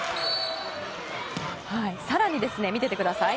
更に、見ててください。